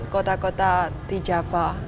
kota kota di java